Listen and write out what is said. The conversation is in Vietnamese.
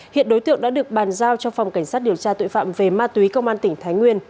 hiện đối tượng đã được bàn giao cho phòng cảnh sát điều tra tội phạm về ma túy công an tỉnh thái nguyên